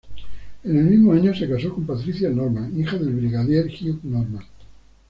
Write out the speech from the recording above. En el mismo año se casó con Patricia Norman, hija del Brigadier Hugh Norman.